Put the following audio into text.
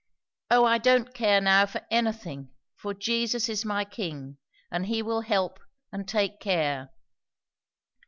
O I don't care now for anything, for Jesus is my King, and He will help and take care."